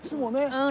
うん。